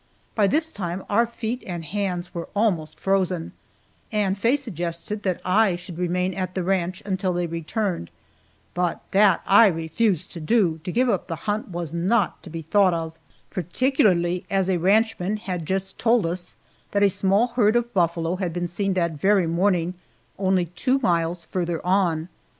By this time our feet and hands were almost frozen, and Faye suggested that I should remain at the ranch until they returned; but that I refused to do to give up the hunt was not to be thought of, particularly as a ranchman had just told us that a small herd of buffalo had been seen that very morning only two miles farther on.